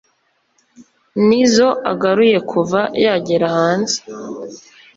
n'izo agaruye kuva yagera hanze